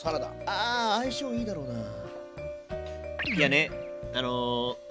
ああ相性いいだろうなあ。